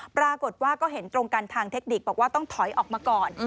ปรากฏว่าก็เห็นตรงกันทางเทคนิคบอกว่าต้องถอยออกมาก่อน